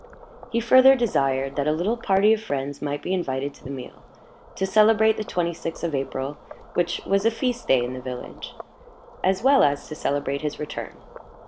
He further desired that a little party of friends might be invited to the meal, to celebrate the twenty sixth of April (which was a feast day in the village), as well as to celebrate his return.